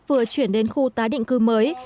vừa chuyển đến khu tái định cư mới